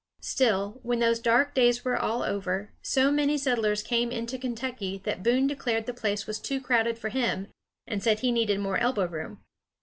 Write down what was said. Still, when those dark days were all over, so many settlers came into Kentucky that Boone declared the place was too crowded for him, and said he needed more elbow room.